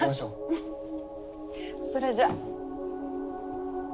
うん。それじゃあ。